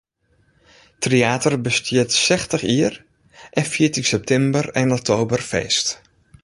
Tryater bestiet sechstich jier en fiert yn septimber en oktober feest.